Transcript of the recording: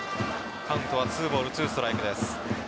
カウントは２ボール２ストライクです。